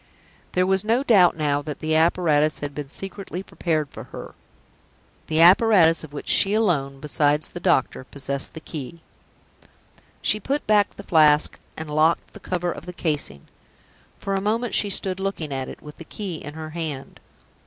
There was no doubt now that the apparatus had been secretly prepared for her the apparatus of which she alone (besides the doctor) possessed the key. She put back the Flask, and locked the cover of the casing. For a moment she stood looking at it, with the key in her hand.